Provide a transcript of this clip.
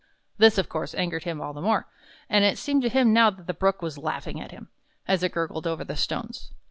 This, of course, angered him all the more, and it seemed to him now that the Brook was laughing at him, as it gurgled over the stones.